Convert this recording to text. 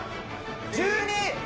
１２。